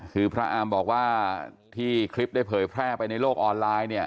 คือพระอามบอกว่าที่คลิปได้เผยแพร่ไปในโลกออนไลน์เนี่ย